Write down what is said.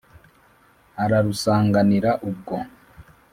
ararusanganira ubwo.